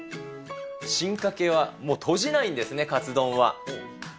進化系はもうとじないんですね、カツ丼は。